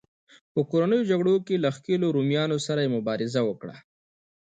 په کورنیو جګړو کې له ښکېلو رومیانو سره یې مبارزه وکړه.